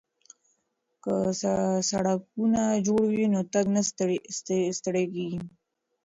که سړکونه جوړ وي نو تګ نه ستیږي.